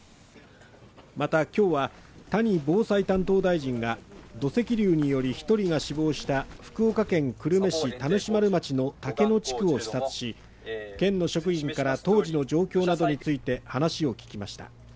また今日は谷防災担当大臣が土石流により１人が死亡した福岡県久留米市田主丸町の竹野地区を視察し、県の職員から当時の状況などについて話を聞きました。